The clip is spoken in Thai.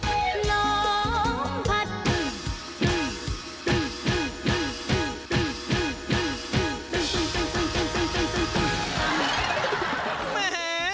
ดึนดึนดึนดึนดึนดึนดึนดึนดึนดึน